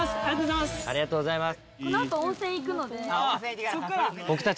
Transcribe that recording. ありがとうございます。